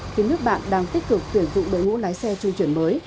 khiến nước bạn đang tích cực tuyển dụng đội ngũ lái xe trung chuyển mới